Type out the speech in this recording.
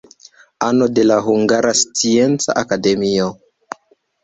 Ano de la Hungara Scienca Akademio.